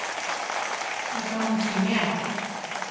Atza mu simea? ‒.